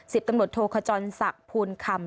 ตำรวจโทขจรศักดิ์ภูลคำ